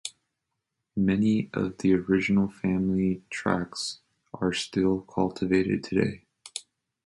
Many of the original family tracts are still cultivated today.